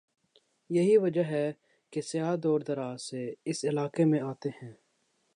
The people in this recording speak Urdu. یہی وجہ ہے کہ سیاح دور دراز سے اس علاقے میں آتے ہیں ۔